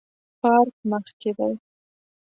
پارک مخ کې دی